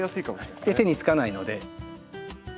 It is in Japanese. で手につかないので。